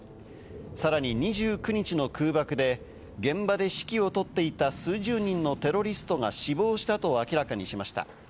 さらに２９日の空爆で、現場で指揮を執っていた数十人のテロリストが死亡したと明らかにしました。